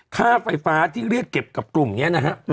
ค่าไฟฟ้าที่เรียกเก็บกับกลุ่มนี้นะฮะ